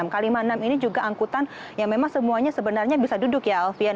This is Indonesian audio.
k lima puluh enam ini juga angkutan yang memang semuanya sebenarnya bisa duduk ya alfian